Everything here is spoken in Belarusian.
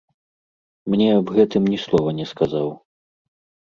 Мне аб гэтым ні слова не сказаў.